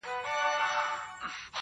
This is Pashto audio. o غوجله سمبول د وحشت ښکاري ډېر,